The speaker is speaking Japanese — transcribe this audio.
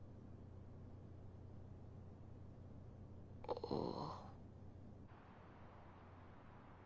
ああ。